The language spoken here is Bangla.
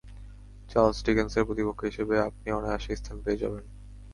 চার্লস ডিকেন্সের প্রতিপক্ষ হিসেবে আপনি অনায়াসে স্থান পেয়ে যাবেন!